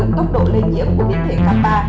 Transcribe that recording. lượng tốc độ lây nhiễm của biến thể kappa